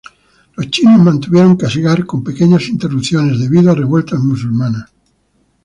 Los chinos mantuvieron Kasgar con pequeñas interrupciones debido a revueltas musulmanas.